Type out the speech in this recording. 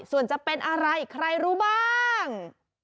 ส่วนจะเป็นอะไรใครรู้บ้าง